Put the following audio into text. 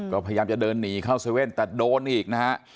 ก็พยายามจะเดินหนีเข้าเว่นแต่โดนอีกนะฮะ